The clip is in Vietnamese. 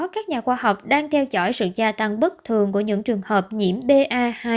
các nhà khoa học đang theo dõi sự gia tăng bất thường của những trường hợp nhiễm ba